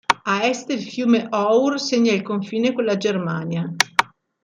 A est, il fiume Our segna il confine con la Germania.